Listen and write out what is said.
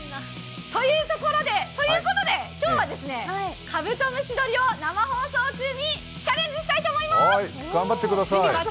ということで今日は、カブトムシ捕りを生放送中にチャレンジしたいと思います！